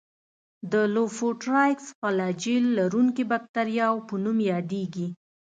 د لوفوټرایکس فلاجیل لرونکو باکتریاوو په نوم یادیږي.